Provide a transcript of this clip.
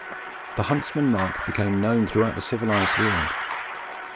The Huntsman mark became known throughout the civilised world.